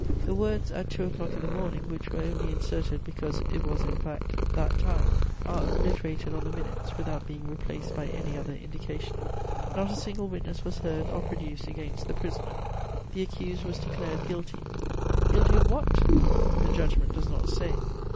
_' The words, 'at two o'clock in the morning,' which were only inserted because it was in fact that time, are obliterated on the minutes without being replaced by any other indication. "Not a single witness was heard or produced against the prisoner. "The accused 'was declared guilty!' Guilty of what? The judgment does not say.